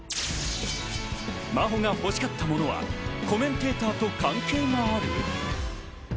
真帆が欲しかったものはコメンテーターと関係がある？